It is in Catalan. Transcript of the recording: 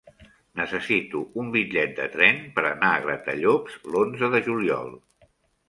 Necessito un bitllet de tren per anar a Gratallops l'onze de juliol.